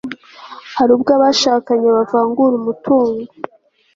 hari ubwo abashakanye bavangura umutungo